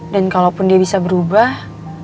dan kalaupun dia bisa berubah